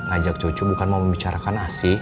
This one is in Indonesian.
ajak cucu bukan mau membicarakan asi